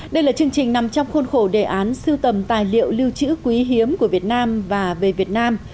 đây là chương trình nằm trong khuôn khổ đề án sưu tầm tài liệu lưu trữ quý hiếm của việt nam và về việt nam